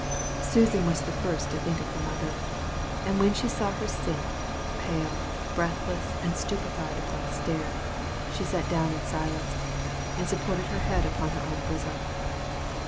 Susan was the first to think of her mother: and when she saw her sink, pale, breathless, and stupified upon a stair, she sat down in silence, and supported her head upon her own bosom.